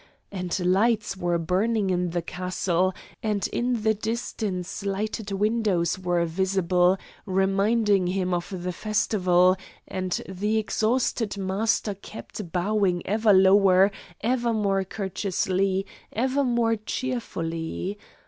And lights were burning in the castle and in the distance lighted windows were visible, reminding him of the festival, and the exhausted master kept bowing ever lower, ever more courteously, ever more cheerfully.